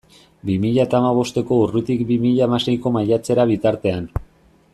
Bi mila eta hamabosteko urritik bi mila hamaseiko maiatzera bitartean.